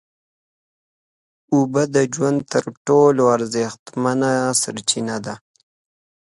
اوبه د ژوند تر ټولو ارزښتمنه سرچینه ده